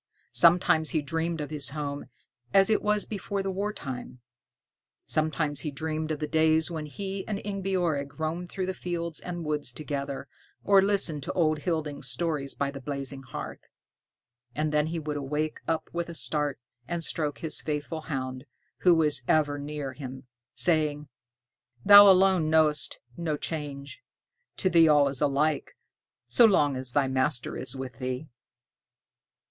Sometimes he dreamed of his home as it was before the wartime. Sometimes he dreamed of the days when he and Ingebjorg roamed through the fields and woods together, or listened to old Hilding's stories by the blazing hearth; and then he would wake up with a start and stroke his faithful hound, who was ever near him, saying, "Thou alone knowest no change; to thee all is alike, so long as thy master is with thee."